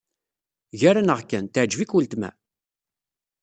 Gar-aneɣ kan, teɛjeb-ik weltma?